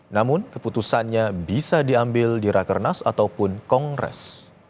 namun keputusannya bisa diambil di rakernas ataupun kongres